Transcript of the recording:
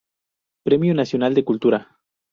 Premio Nacional de Cultura.